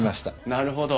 なるほど。